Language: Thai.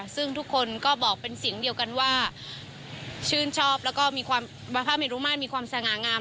ซึ่งทุกคนก็บอกเป็นเสียงเดียวกันว่าชื่นชอบแล้วก็มีความพระเมรุมาตรมีความสง่างาม